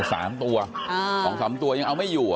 สามตัวสามตัวยังเอาไม่อยู่